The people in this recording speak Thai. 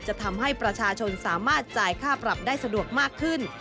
จะทำให้ประชาชนสามารถจ่ายค่าปรับได้สะดวกมากขึ้น